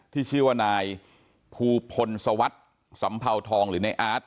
ที่ชื่อว่านายภูพลสวัสดิ์สัมเภาทองหรือในอาร์ต